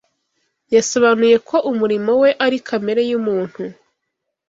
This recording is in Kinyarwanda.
Yasobanuye ko umurimo we ari "Kamere y’umuntu